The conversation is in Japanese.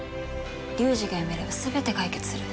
龍二が辞めれば全て解決する。